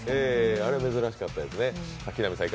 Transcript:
あれは珍しかったですね。